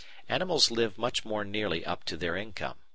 Animals live much more nearly up to their income.